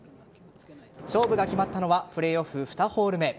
勝負が決まったのはプレーオフ２ホール目。